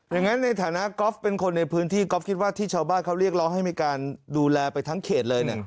อย่างนั้นในฐานะก๊อฟเป็นคนในพื้นที่ก๊อฟคิดว่าที่ชาวบ้านเขาเรียกร้องให้มีการดูแลไปทั้งเขตเลย